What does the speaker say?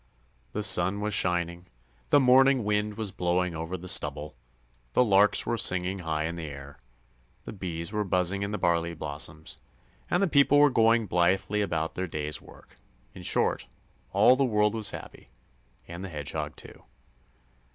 The sun was shining, the morning wind was blowing over the stubble, the larks were singing high in the air, the bees were buzzing in the barley blossoms, and the people were going blithely about their day's work; in short, all the world was happy, and the Hedgehog, too.